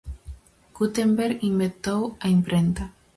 Gutenberg inventou a imprenta.